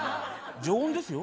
常温ですよ？